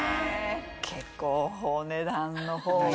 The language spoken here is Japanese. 結構お値段のほうが。